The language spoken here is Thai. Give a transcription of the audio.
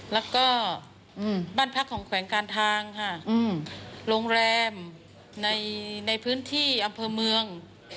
แล้วก็บ้านพักของแขวงการทางค่ะโรงแรมในพื้นที่อำเภอเมือง